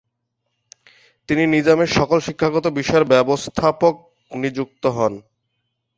তিনি নিজামের সকল শিক্ষাগত বিষয়ের ব্যবস্থাপক নিযুক্ত হন।